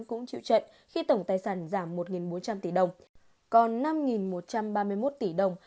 cũng chịu trận khi tổng tài sản giảm một bốn trăm linh tỷ đồng còn năm một trăm ba mươi một tỷ đồng